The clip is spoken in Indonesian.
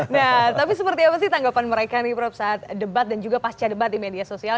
nah tapi seperti apa sih tanggapan mereka nih prof saat debat dan juga pasca debat di media sosial